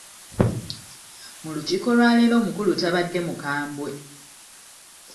Mu lukiiko lwa leero omukulu tabadde mukambwe.